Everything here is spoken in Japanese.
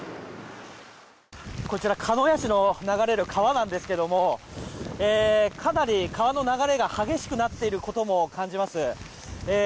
こちら、鹿屋市を流れる川なんですけれどもかなり川の流れが激しくなっていると感じます。